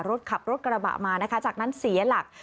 ขับรถกระบะมานะคะจากนั้นเสียหลัก